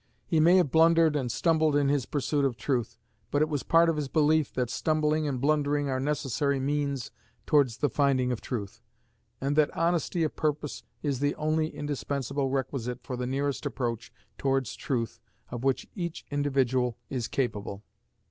He may have blundered and stumbled in his pursuit of truth; but it was part of his belief that stumbling and blundering are necessary means towards the finding of truth, and that honesty of purpose is the only indispensable requisite for the nearest approach towards truth of which each individual is capable.